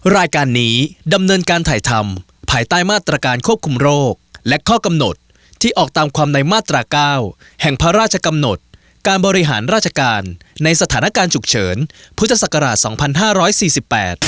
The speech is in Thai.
รายการนี้ดำเนินการถ่ายทำภายใต้มาตรการควบคุมโรคและข้อกำหนดที่ออกตามความในมาตราเก้าแห่งพระราชกำหนดการบริหารราชการในสถานการณ์ฉุกเฉินพุทธศักราชสองพันห้าร้อยสี่สิบแปด